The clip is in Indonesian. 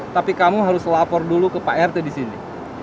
tapi kamu harus lapor dulu ke pak rt disini